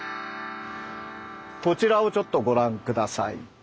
こちらをちょっとご覧下さい。